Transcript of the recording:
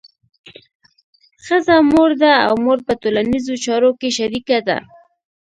ښځه مور ده او مور په ټولنیزو چارو کې شریکه ده.